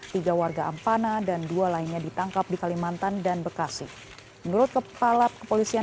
tiga warga ampana dan dua lainnya ditangkap di kalimantan dan bekasi menurut kepala kepolisian